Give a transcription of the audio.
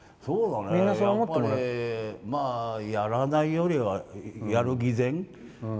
やっぱり、やらないよりはやる偽善。